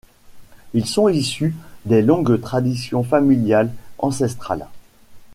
Ils sont issus des longues traditions familiales ancestrales.